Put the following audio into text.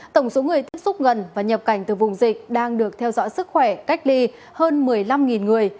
tổng số người tiếp xúc gần và nhập cảnh từ vùng dịch đang được theo dõi sức khỏe cách ly hơn một mươi năm người